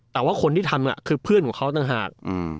แต่ว่าคนที่ทำคือเพื่อนของเขาต่างหาก